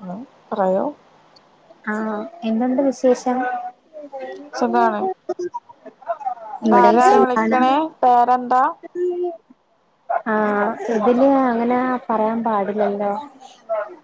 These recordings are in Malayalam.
ഹലോ പറയു ആഹ് എന്തുണ്ട് വിശേഷം? സുഖാണ് [unintelligible] ഇവിടെയും ഇതാരാണ് സുഖാണ് വിളിക്ക്ണേ പേരെന്താ? ആഹ് ഇതില് അങ്ങനെ പറയാൻ പാടി ലല്ലോ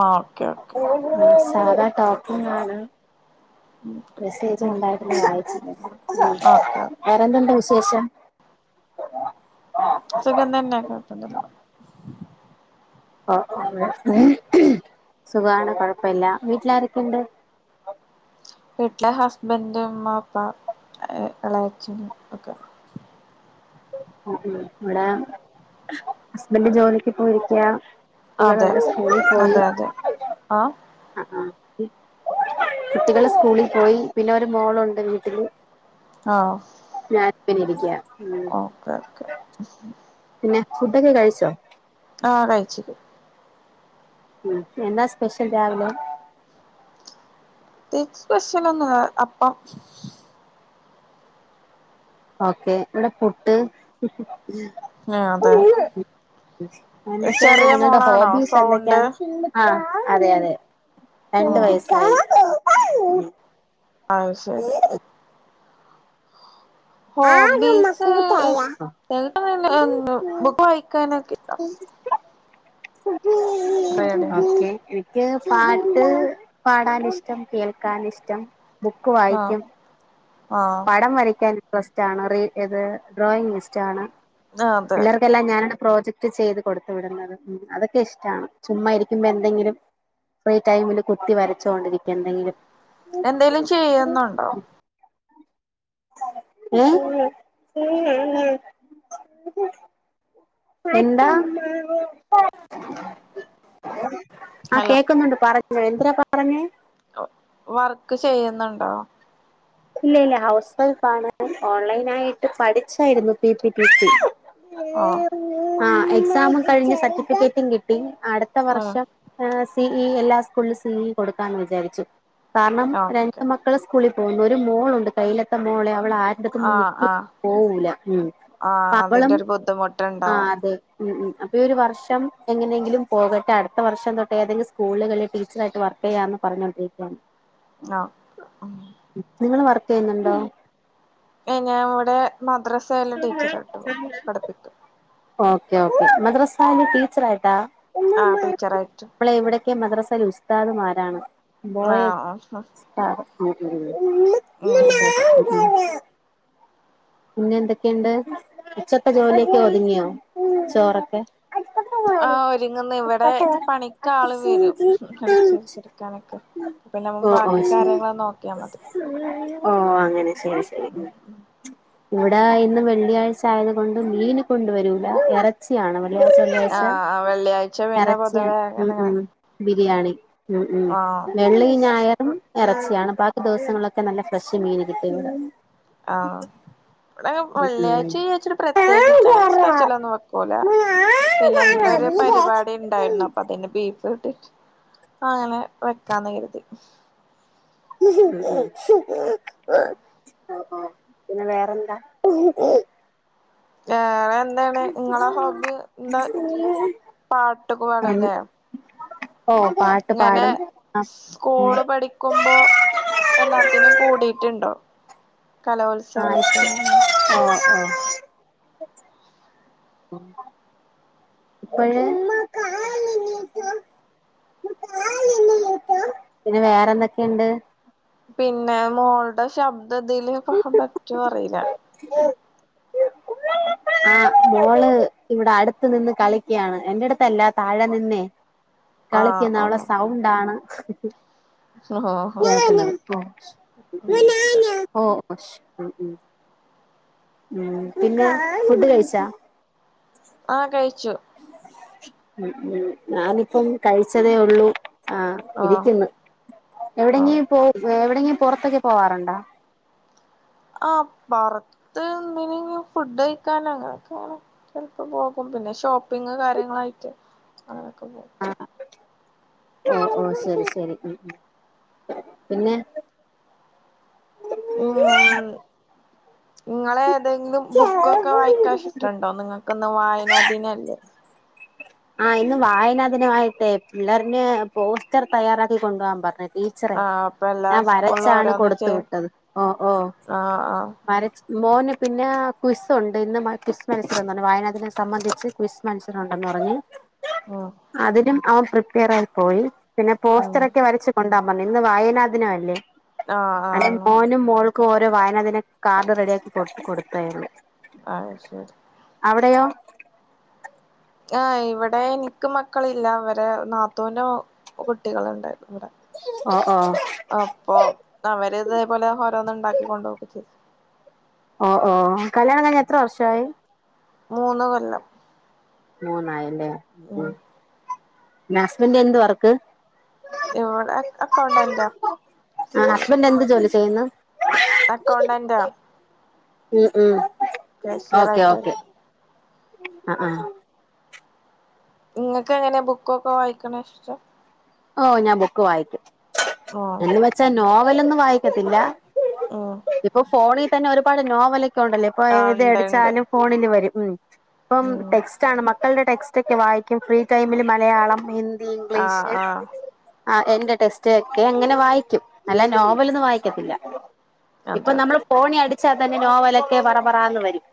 ആഹ് ഓക്കേ ഓക്കേ സാധാ ടോപിങ് ആണ് മെസ്സേജ് ഓക്കെ ഓക്കെ ഉണ്ടായിരുന്നു [unintelligible] ഓക്കെ ഓക്കെ വേറെന്തുണ്ട് വിശേഷം? സുഖം തന്നെ കൊയപ്പൊന്നുല്ല ഓ സുഖാണ് കൊഴ്പ്പല്യ വീട്ടിലാരക്കണ്ട്? വീട്ടില് ഹസ്ബൻഡ് മ്മാ പ്പാ എളേച്ഛൻ ഒക്കെ. ഇവടെ ഹസ്ബൻഡ് ജോലിക്ക് പോയിരിക്കാ. അതെ കുട്ടികളൊക്ക സ്കൂളി പോയി അതെ അതെ ആഹ് അആഹ്. കുട്ടികള് സ്കൂളി പോയി പിന്നെ ഒരു മോളുണ്ട് വീട്ടില്. ആഹ്. ഞാൻ പ്പേങ്ങനെ ഇരിക്കാ ഓക്കെ ഓക്കെ. പിന്നെ ഫുഡ്‌ഒക്കെ കഴിച്ചോ? ആഹ് കഴിച്ച്. ഉം എന്നാ സ്പെഷ്യൽ രാവിലെ? പ്രത്യായിച്ച് സ്പെഷ്യലഒന്നും അപ്പം ഓക്കെ എന്താ ഫുഡ്? ആ, അതെ എന്തൊക്കെയാണ് ചെറിയ നിങ്ങളുടെ മോളാണോ ഹോബീസ് സൗണ്ട് എന്തൊക്കെയാണ്? ആഹ് അതെ അതെ രണ്ട് ആഹ് വയസായി. അഅ്‌ ശെരി. ഹോബീസ് [unintelligible] ബുക്ക് വായിക്കാനൊക്കെ ഇഷ്ട്ടാ. [unintelligible] റീഡിങ് [unintelligible] ക്ക് പാട്ട് പാടാനിഷ്ടം കേൾക്കാൻ ഇഷ്ടം ബുക്ക് ആഹ് വായിക്കും ആഹ്. ടം വരയ്ക്കാൻ ഇൻട്രസ്റ്റാണ് റീ [unintelligible] ഡ്രോയിങ് ഇഷ്ടാണ് അതെ. ഇക്കല്ല ഞാനാണ് പ്രോജക്റ്റ് ചെയ്ത് കൊടുത്ത് വിടുന്നത് അതൊക്കെ ഇഷ്ടാണ് ചുമ്മാ ഇരിക്കുമ്പോ എന്തെങ്കിലും ഫ്രീ ടൈമില് കുത്തി വരച്ചോണ്ടിരിക്കും എന്തെങ്കിലും. എന്തേലും ചെയ്യുന്നുണ്ടോ? ഏഹ് എന്താ? ആഹ് ഹലോ കേയ്ക്കുന്നുണ്ട് പറഞ്ഞോ എന്തരാ പറഞ്ഞെ? വർക്ക് ചെയ്യുന്നുണ്ടോ? ഇല്ല ഇല്ല ഹൗസ് വൈഫാണ് ഓൺലൈനായിട്ട് പഠിച്ചായിരുന്നു പി പി ടി സി. ആഹ്. ആഹ് എക്സാമും കഴിഞ് സർട്ടിഫിക്കറ്റേറ്റും കിട്ടി അടുത്ത ആഹ് വർഷം സി ഇ എല്ലാ സ്കൂൾലും സി ഇ കൊടുക്കാന്ന് വിചാരിച്ചു കാര്ണം രണ്ട് ഓക്കെ മ ക്കള് സ്കൂളി പോവുന്നു ഒരു മോളുണ്ട് കയ്യിലത്ത മോളെ അവളാ ആഹ് [unintelligible] ആഹ് പോവൂലാ ഉം ആഹ് പ്പാ അവളും അതിന്റെ ഒരു ആഹ് ബുദ്ധിമുട്ടുണ്ടാവും അതെ. ഉം ഉം അപ്പോ ഇ ഒരു വർഷം എങ്ങനെങ്കിലും പോകട്ടെ അടുത്ത വർഷം തൊട്ടേ ഏതെങ്കിലും സ്കൂള്കളി ടീച്ചറായിട്ട് വർക്കിയ്യാന്ന് പറഞ്ഞോണ്ടിരിക്കാണ്. ആഹ്. നിങ്ങള് വർക്കിയ്യുന്നുണ്ടോ? ഞാം ഇവടെ മദ്രസേല് ടീച്ചറായിട്ട് പോവും പഠിപ്പിക്കും. Okay okay മദ്രസാല് ടീച്ചറായിട്ടാ? ആഹ് ടീച്ചറായ്റ്റ്. ന്നമ്മളെ ഇവിടക്കെ മദ്രസേല് ഉസ്താദ്മാരാണ് ബോയേ ആഹ് ഉം [unintelligible] പിന്നെ എന്തൊക്കെണ്ട്, ഉച്ചത്തെ ജോലിയൊക്കെ ഒതുങ്ങിയോ ചോറൊക്കെ? ആഹ് ഒരുങ്ങുന്ന ഇവിടെ പണിക്കാള് വരും അടിച്ചേരി തൊടക്കാനൊക്കെ. പിന്നെ നമ്മ ബാക്കി കാര്യങ്ങള് നോക്കിയാ മതി. ഓഹ് അങ്ങനെ ശരി ശരി. ഇവിടെ ഇന്ന് വെള്ളിയാഴ്ച ആയത് കൊണ്ട് മീൻ കൊണ്ട വരൂല. ഇറച്ചിയാണ് വെള്ളിയാഴ്ച. വെള്ളിയാഴ്ച ആഹ് വെള്ളിയാഴ്ച പിന്നെ എറച്ചിയാണ് പൊതുവേ ഉം അങ്ങനെ ഉം ബിരിയാണി ഉം ഉം ആഹ് വെള്ളീം ഞായറും. ഇറച്ചിയാണ് ബാക്കി ദിവസങ്ങളിലൊക്കെ നല്ല ഫ്രഷ് മീൻ കിട്ടണ്ട്. ആഹ്. ഇബടെ വെള്ളിയാഴ്ച ആഴ്ച്ചട്ട് പ്രത്യേകിച്ച് അങ്ങനെ സ്പെഷ്യലന്നും വക്കൂല. പിന്നെ എന്ത ഒരു പരിപാടി ഉണ്ടായിരുന്നു അപ്പൊ അതിന്റെ ബീഫ് കിട്ടി. അങ്ങനെ വെക്കാന്ന് കരുതി. പിന്നെ വേറെന്താ? വേറെ എന്താണ് നിങ്ങളെ ഹോബി എന്താ പാട്ടൊക്കെ പാടൂല്ലേ? ഓ പാട്ട് ഇങ്ങനെ പാടും ആ സ്കൂള് പഠിക്കുമ്പോ. എല്ലാത്തിനും കൂടിയിട്ടുണ്ടോ കലോത്സവത്തിന്. ആഹ് ആഹ്. [unintelligible] പിന്നെ വേറെ എന്തൊക്കെണ്ട്? പിന്നെ മോൾടെ ശബ്ദ ഇതില് പറ്റോ അറീല. ആഹ് മോള് ഇവിടെ അടുത്ത് നിന്ന് കളിക്കയാണ് എന്റെടുത്തല്ല താഴെ നിന്നേ. ആഹ് കളിക്കുന്ന് അവളെ ആഹ് സൗണ്ടാണ്. ഓഹോ ഓക്കെ [unintelligible] ഉം പിന്നെ ഫുഡ് കഴിച്ചാ? ആഹ് കഴിച്ചു. ഉം ഉം ഞാനിപ്പം കഴിച്ചതേ ഉള്ളൂ. ആഹ് ആഹ് ഇരിക്കുന്നു എവിടെങ്കും പോ ഓക്കെ എവിടെങ്കിലും പുറത്തൊക്കെ പോവാറുണ്ടോ? ആഹ് പുറത്ത് എന്തിനെങ്കിലും ഫുഡ് കഴിക്കാനോ അങ്ങനൊക്കെങ്ങനെ. ചെലപ്പോ പോകും പിന്നെ ഷോപ്പിങ് കാര്യങ്ങളായിട്ട് അങ്ങനെയൊക്കെ പോകും. ആഹ് ഓഹ് ഓഹ് ശരി ശരി ഉം പിന്നെ. നിങ്ങള ഏതെങ്കിലും ബുക്കൊക്കെ വായിക്കാൻ ഇഷ്ടണ്ടോ നിങ്ങൾക്കുന്ന് വായന ദിനല്ലേ. ആഹ് ഇന്ന് വായന ദിന ആയിട്ടേ പിള്ളര് ന് പോസ്റ്റർ തയ്യാറാക്കി കൊണ്ടുപോകാൻ പറഞ്ഞീ നി. പിക്ചർ ആഹ് അപ്പൊ എല്ലാ ഞാൻ സ്കൂളിലും വരച്ചാണ് ഓരോന്ന് കൊടുത്ത ചെ വിട്ടത് ഓഹ് ഓഹ് ആഹ് ആഹ് വരച് മോന് പിന്നെ ക്വിസ് ഉണ്ട് ഇന്ന് ക്വിസ് മത്സരം വായനാ ദിനം സംബന്ധിച്ച്. ക്വിസ് മത്സരം ഒണ്ടെന്ന് പറഞ്ഞ് ഓഹ് അതിലും അവൻ പ്രിപ്പേരായി പോയി പിന്നെ ഉം പോസ്റ്ററൊക്കെ വരച്ച് കൊണ്ട വന്നെ ഇന്ന് വായനാദിനവല്ലേ ആഹ് അന് ആഹ് മോനും മോൾ ക്കോരോ വായനാദിന കാർഡ് റെഡിയാക്കി കൊ കൊടുത്താരുന്ന് ആഹ് ശെ അവിടെയോ ആഹ് ഇവിടെ എനിക്ക് മക്കളില്ല അവരെ നാത്തൂന്റോ കുട്ടികളെണ്ടാരുന്ന് ഇവിടെ ആഹ് ആഹ് അപ്പോ അവര് ഇതേപോലെ ഓരോന്നി ണ്ടാക്കി കൊണ്ടോക്കെ ചെയ്യ് ആഹ് ഓഹ് കല്യാണം കഴിഞ്ഞ് എത്ര വർഷായി മൂന്ന് കൊല്ലം മൂന്നായല്ലേ ഉം ഹസ്ബന്റിനെന്ത് വർക്ക് ഇവിടെ അക് അക്കൗണ്ടന്റ സ്കൂൾല് നെന്ത് ജോലി തേങ്ങാ അക്കൗണ്ടന്റാ ഉം ഉം കാശ്യറായിട്ട് ആഹ് ആഹ് ഇങ്ങക്കെങ്ങനാ ബുക്കൊക്കെ വായിക്കണ ഇഷ്ടാ ഓഹ് ഞാൻ ബുക്ക് വായിക്കും ആഹ് എന്ന് വെച്ചാ നോവലൊന്നും വായിക്കത്തില്ല ഓഹ് ഇപ്പോ ഫോണിൽ തന്നെ ഒരുപാട് നോവലൊക്കെ ഒണ്ടല്ലോ ഇപ്പോ ആഹ് ഇത് ഇണ്ട് ഇണ്ട് അടിച്ചാലും ഫോണില് വരും ഉം ഇപ്പം ഉം ടെക്സ്റ്റാണ് മക്കൾടെ ടെക്സ്റ്റെക്കെ വായിക്കും ഫ്രീ ടൈമില് മലയാളം ഹിന്ദ് ആഹ് ആഹ് ആഹ് എന്റെ ടെസ്റ്റ് ക്കെ അങ്ങനെ വായിക്കും അല്ല നോവലൊന്ന് വായിക്കത്തില്ല ഇപ്പം അതെ നമ്മള് ഫോണി അടിച്ചാ തന്നെ നോവലൊക്കെ പറപറാന്ന് വരും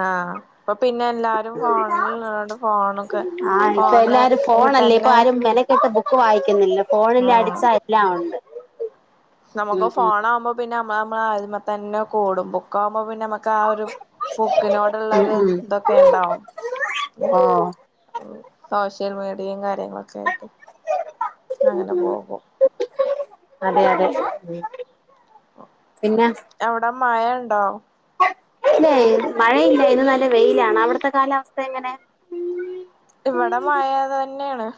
ആഹ് ഇപ്പപിന്നെ എല്ലാരും ഫോൺല് ഇള്ളോണ്ട് ഫോണൊക്കെ ആ ഇപ്പൊ എല്ലാരും ഫോണ്ന്ന് ഫോണല്ലേ ഇപ്പൊ തന്നെ ആരും മെനക്കെട്ട് ബുക്ക് വായിക്കുന്നില്ല ഫോണില് അടിച്ച എല്ലാ ഒണ്ട് നമക്ക് ഫോണാവുമ്പോ പിന്നെ നമ്മള് നമ്മളായിൽമതന്നെ കൂടും ബു ക്കാവുമ്പോ പിന്നെ നമക്ക്‌ ആ ഒരു ബുക്കിനോടിള്ളോരു ഇതൊക്കെ ഇണ്ടാവും ആഹ് ഓഹ് സോഷ്യൽ മീഡിയെ കാര്യങ്ങളൊക്കെ ആയിട്ട് അങ്ങനെ പോകു അതെഅതെ ഉം പിന്നാ അവിടെ മയണ്ടോ ഇല്ലെ മഴയില്ല ഇന്ന് നല്ല വെയിലാണ് അവിടുത്തെ കാലാവസ്ഥ എങ്ങനെ? ഇവിടെ മഴ തന്നെയാണ്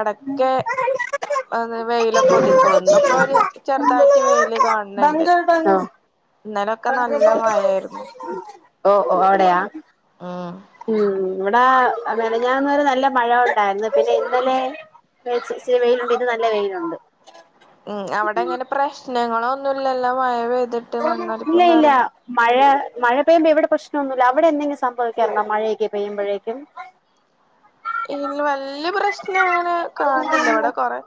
എടക്കെ ഒന്ന് വെയിലൊക്കെ ഉദിക്കൊള്ളു ഇന്നിപ്പോരു ചെറുതായിട്ട് വെയില് കാൺണ് ആഹ് ഇന്നലെക്കെ നല്ല മയാരുന്നു ഓഹ് ഓഹ് അവിടെയാ ഉം ഉം ഇവിടെ മെനഞ്ഞാന്നൊരു നല്ല മഴ ഓണ്ടാര്ന്ന് പിന്നെ ഇന്നലെ വേ ച്ച് ഇച്ചിരി വെയിലൊണ്ട് ഇത് നല്ല വെയിലൊണ്ട് ഉം അവിടെ ഇങ്ങനെ പ്രശ്നങ്ങളോന്നുല്ലല്ലോ മഴ പെയ്തിട്ട് ഇല്ല മണ്ണൊലിപ്പും ഇല്ല കാര്യം മഴ മഴ പെയുമ്പോ ഇവിടെ പ്രശ്നൊന്നുല്ല അവിടെ എന്തെങ്കിലും സംഭവിക്കാറുണ്ടോ മഴേക്ക് പെയ്യുമ്പഴേക്കും ഈ വല്യ പ്രശ്നം അങ്ങനെ കാൺണില്ല ഇവടെ കൊറെ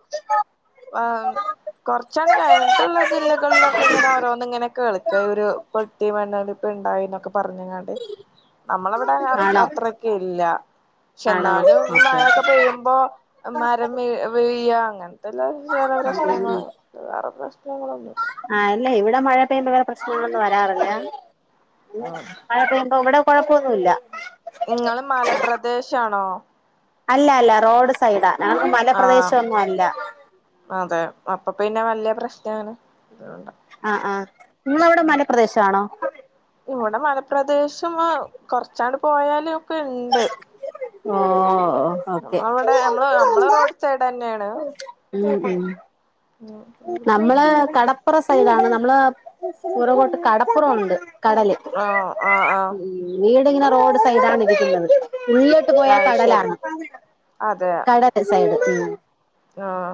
ആഹ് കൊർച്ചാണ്ട് കഴിഞ്ട്ട്ള്ള ജില്ലകളിലൊക്കെ ഇങ്ങനെ ഓരോന്ന് ങ്ങനെ കേൾക്ക ഉരു പൊട്ടി മണ്ണൊലിപ്പ്ണ്ടായി ന്നൊക്കെ പറഞ്ഞ്ങ്ങാ ണ്ട്. നമ്മളെവടെ ആണോ അത്രക്ക് ഇല്ല ശ്ശെ ആണോ ന്നാലും ഓക്കെ മഴൊക്കെ പെയ്യുമ്പോ മരം വെ വെയ്യ അങ്ങൻത്തെല്ലാ ചെല പ്രശ്നങ്ങൾ വേറെ പ്രശ്നങ്ങളൊന്നുല്ല ആഹ് ഇല്ല ഇവിടെ മഴ പെയ്യുമ്പോ വേറെ പ്രശ്നങ്ങളൊന്നും വരാറില്ല. ഉം മഴ പെയ്യുമ്പോ ഇവടെ കുഴപ്പൊന്നുല്ല ഇങ്ങള് മലപ്രദേശാണോ അല്ല അല്ല റോഡ് സൈഡാ. ഞങ്ങൾത് മല ആഹ് പ്രദേശൊന്നും അല്ല അതെ. അപ്പ പിന്നെ വലിയ പ്രശ്നാണ്. അതോണ്ടാ ആഹ് ആഹ്. ഇങ്ങളവിടെ മലപ്രദേശ ആണോ? ഇവിടെ മലപ്രദേശം ആഹ് കൊറച്ചാണ്ട് പോയാലും ഒക്കെ ഇണ്ട്. ഓഹ് ഓക്കെ. നമ്മളവിടെ നമ്മള് നമ്മളെ റോഡ് സൈഡന്നെയാണ് ഉം ഉം ഉം നമ്മള് പ്രശ്നൊന്നുല്ല കടപ്പുറ സൈഡാണ്. നമ്മള് പുറകോട്ട് കടപ്പുറവുണ്ട്. കടല് ഔഹ് ആഹ് ആഹ് ഉം വീട് ഇങ്ങനെ റോഡ് സൈഡാണ് ഇരിക്കുന്നത്. ഉള്ളിലോ ട്ട് പോയാ അയ് ശരി കടലാണ്. അതെ കടല് സൈഡ് ഉം ആഹ്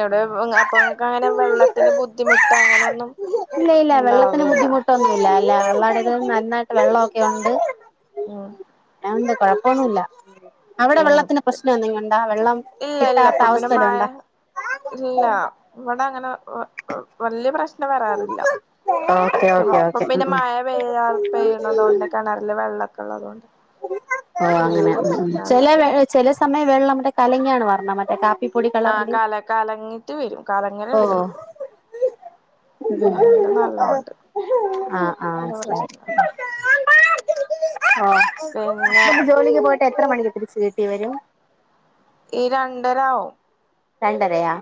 എവിടെ [unintelligible] അപ്പക്ക് അങ്ങനെ വെള്ളത്തിന് ബുദ്ധിമുട്ട് അങ്ങനൊന്നും ഉണ്ടാവില്ല. ഇല്ലില്ല. എല്ല എള്ളാടതും നന്നായിട്ട് വെള്ളവൊക്കെ ഉണ്ട്. ഉം ന്നാ ഉണ്ട്. കൊഴപ്പൊന്നു ഇല്ല. അവിടെ ഉം വെള്ളത്തിന് പ്രശ്നം എന്തെങ്കും ഉണ്ടാ വെള്ളം ഇല്ല ഇല്ല കിട്ടാത്ത ഇപ്പൊ പിന്നെ അവസ്ഥല് മഴ ഉണ്ടാ? ഇല്ല ഇവടെ അങ്ങനെ വ വലിയ പ്രശ്ന ന്ന വരാറില്ല. ഓക്കെ ഓക്കെ ഇപ്പം ഓക്കെ ഉം പിന്നെ മഴ പെയ്യാ ഉം പെയ്യണതോണ്ടേ കിണറില് വെള്ള ഒക്കെ ഉള്ളത് കൊണ്ട് ഓഹ് അങ്ങനെ ഉം ഉം. ചെല വെ ചെല സമയം വെള്ളം മറ്റെ കലങ്ങിയാണ് വര്ണെ മറ്റേ കാപ്പി ആഹ് കല കലങ്ങിട്ട് വരും. കലങ്ങല്ണ്ട്. ഉഹും ആഹ് ആഹ് വല്യ മൻസിലായി. പ്രശ്നല്ല ഓഹ്. പിന്നെ ഹസ്ബൻഡ് ജോലിക്ക് പോയിട്ട് എത്ര മണിക്ക് തിരിച്ച് വീട്ടി വരും? ഈ രണ്ടരാവും രണ്ടരെയാ?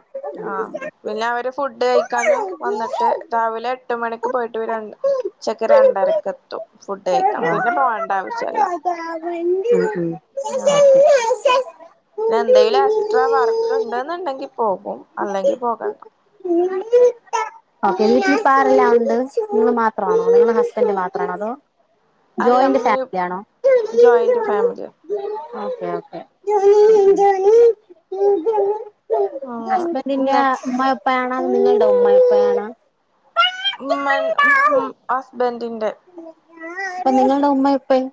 ആഹ്. പിന്നെ അവര് ഫുഡ് കഴിക്കാനും വന്നിട്ട് രാവിലെ എട്ട് മണിക്ക് പോയിട്ട് ഒര് രഉച്ചക്ക് രണ്ടരക്കെത്തും ഫുഡ് കഴിക്കാൻ. പിന്നെ പോകണ്ട ആവശ്യല്ല. ഉം ആ ഉം [unintelligible] പിന്നെ എന്തെങ്കിലും എക്സ്ട്രാ വർക്ക് ഉണ്ടെന്നുണ്ടെങ്കി പോകും അല്ലെങ്കിൽ പോകണ്ട. ഇങ്ങളി ഇട്ട ഓക്കെ. വീട്ടിൽ ഇപ്പോ ആരെല്ലാം ഉണ്ട്? നിങ്ങള് മാത്രമാണോ നിങ്ങളും ഹസ്ബൻഡും മാത്രാണോ അതോ അല്ല ജോയിന്റ് ഇമ്മിം ഫാമിലി ആണോ ജോയിന്റ് ഫാമിലിയും ഓക്കെ ഓക്കെ ഉം ഉം ഉം ഹസ്ബൻ്റിന്റെ ഇന്ന് ഉമ്മയും ഉപ്പയും ആണോ നിങ്ങളുടെ ഉമ്മയുപ്പയു ആണോ ഉമ്മൻ ഉം ഹസ്ബൻഡിന്റെ അപ്പം നിങ്ങൾടെ ഉമ്മയും ഉപ്പയും?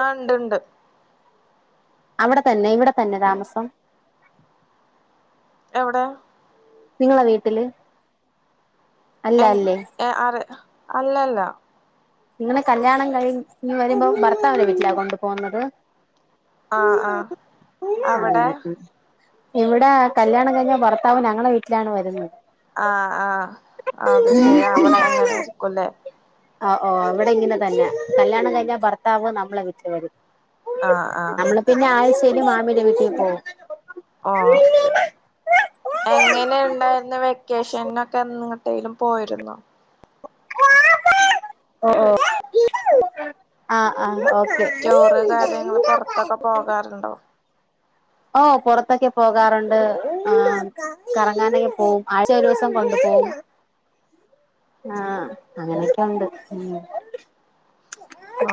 ആഹ് ണ്ട്ണ്ട്. അവിടെ തന്നെ ഇവിടെ തന്നെ താമസം? എവിടെ? നിങ്ങളെ വീട്ടില് അല്ല എൻ അല്ലേ അ അല്ലല്ല നിങ്ങളെ കല്യാണം കഴിഞ്ഞ് വരുമ്പോ ഭർത്താവിൻ്റെ വീട്ടിലാ കൊണ്ടു പോണത് ആഹ് ആഹ് അവിടെ [unintelligible] ഇവടെ കല്യാണം കഴിഞ്ഞ ഭർത്താവ് ഞങ്ങളെ വീട്ടിലാണ് വരുന്നത് ആഹ് ആഹ് അത് ശരി അവിടെ അങ്ങനായിരിക്കും അല്ലേ ആഹ് ഓഹ് ഓഹ് അവിടെ ഇങ്ങനെ തന്നെ കല്യാണം കഴിഞ്ഞാ ഭർത്താവ് നമ്മളെ വിട്ടില് വരും ആഹ് ആഹ് നമ്മള് പിന്നെ ആഴ്ചയില് മാമിടെ വീട്ടിൽ പോകും ഓഹ് ഓക്കേ എങ്ങനെ ഉണ്ടായിരുന്ന വെക്കേഷൻ ഒ എങ്ങോട്ടേലും പോയിരുന്നോ ഓഹ് ഓഹ് ആഹ് ആഹ് ഓക്കെ ത്തൊക്കെ പോകാറുണ്ടോ ഓഹ് പുറത്തൊക്കെ പോകാറുണ്ട് ആഹ് കറങ്ങാനൊക്കെ പോവും ആഴ്ചയിൽ ഒരുസം കൊണ്ടു പോവും ഉം ആഹ് അങ്ങനൊക്കെണ്ട്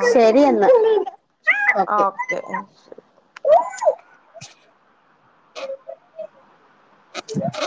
അതെ ശരി എന്നാ ഓക്കെ [inaudible]